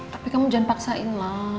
tapi kamu jangan paksain lah